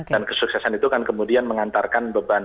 dan kesuksesan itu kan kemudian mengantarkan beban